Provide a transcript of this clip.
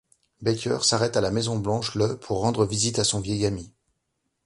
Baker s'arrête à la Maison Blanche le pour rendre visite à son vieil ami.